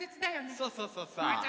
そうそうそうそう。